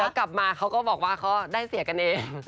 แล้วกลับมาเขาก็บอกว่าเขาได้เสียกันเอง